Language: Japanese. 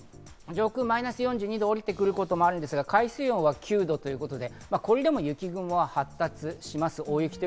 真冬ですと上空マイナス４２度、下りてくることもあるんですが、海水温は９度、これでも雪雲は発達します。